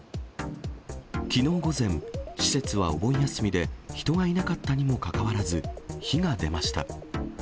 きのう午前、施設はお盆休みで人がいなかったにもかかわらず、火が出ました。